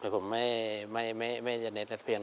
ผมไม่ไม่ไม่ไม่ใจในแต่เพียง